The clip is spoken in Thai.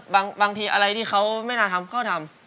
บางทีอะไรที่เขาไม่น่าทำก็ทำ